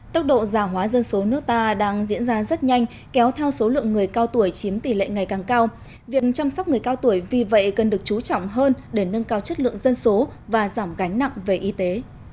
tốc độ giả hóa dân số nước ta đang diễn ra rất nhanh kéo theo số lượng người cao tuổi chiếm tỷ lệ ngày càng cao việc chăm sóc người cao tuổi vì vậy cần được chú trọng hơn để nâng cao chất lượng dân số và giảm gánh nặng về y tế